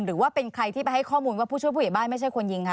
หรือว่าเป็นใครที่ไปให้ข้อมูลว่าผู้ช่วยผู้ใหญ่บ้านไม่ใช่คนยิงคะ